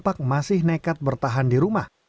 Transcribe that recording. terkena dampak masih nekat bertahan di rumah